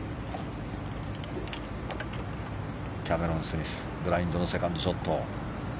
キャメロン・スミスブラインドのセカンドショット。